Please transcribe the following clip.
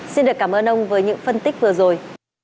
xin được cảm ơn ông với những phân tích vừa rồi